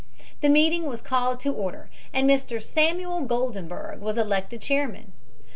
The meeting was called to order and Mr. Samuel Goldenberg was elected chairman.